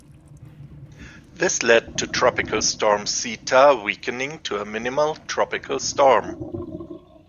This led to Tropical Storm Zeta weakening to a minimal tropical storm.